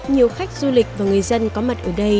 nhiều khách du lịch và người dân có mặt ở đây